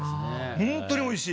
本当においしい。